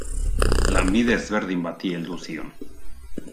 Lanbide ezberdin bati heldu zion.